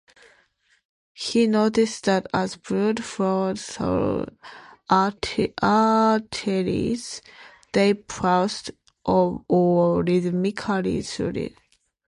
He noticed that as blood flowed through arteries, they pulsed or rhythmically throbbed.